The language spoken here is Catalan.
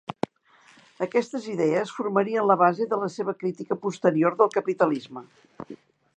Aquestes idees formarien la base de la seva crítica posterior del capitalisme.